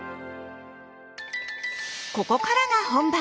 ここからが本番！